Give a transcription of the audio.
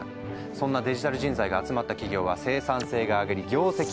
そんなデジタル人材が集まった企業は生産性が上がり業績もアップ。